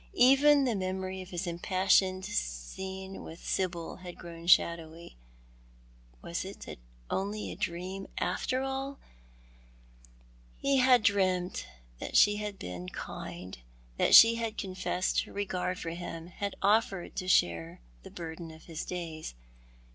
Even the memory of his impassioned scene with Sibyl had grown shadowy. Was it only a dream, after all ? He had dreamt that she had been kind, that she had confessed her regard for him, had offered to share the burden of his days.